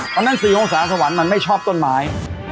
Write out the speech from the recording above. เพราะฉะนั้น๔องศาสวรรค์มันไม่ชอบต้นไม้